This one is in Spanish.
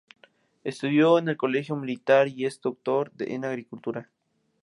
Estudió en el Colegio Militar y es doctor en Agricultura.